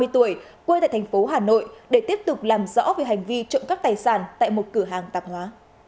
ba mươi tuổi quê tại thành phố hà nội để tiếp tục làm rõ về hành vi trộm cắp tài sản tại một cửa hàng tạp hóa